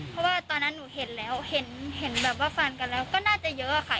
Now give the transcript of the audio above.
เพราะว่าตอนนั้นหนูเห็นแล้วเห็นแบบว่าแฟนกันแล้วก็น่าจะเยอะค่ะ